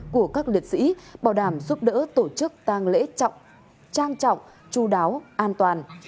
của các liệt sĩ bảo đảm giúp đỡ tổ chức tang lễ trọng trang trọng chú đáo an toàn